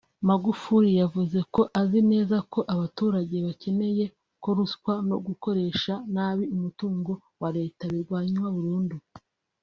Magufuli yavuze ko azi neza ko abaturage bakeneye ko ruswa no gukoresha nabi umutungo wa leta birwanywa burundu